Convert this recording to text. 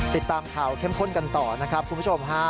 ติดตามข่าวเข้มข้นกันต่อนะครับคุณผู้ชมฮะ